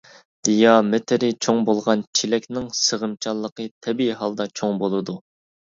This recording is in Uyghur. دىيامېتىرى چوڭ بولغان چېلەكنىڭ سىغىمچانلىقى تەبىئىي ھالدا چوڭ بولىدۇ.